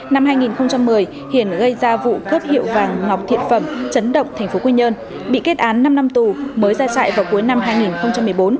năm hai nghìn một mươi hiển gây ra vụ cướp hiệu vàng ngọc thiện phẩm chấn động tp quy nhơn bị kết án năm năm tù mới ra trại vào cuối năm hai nghìn một mươi bốn